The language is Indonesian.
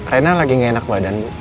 rena lagi gak enak badan bu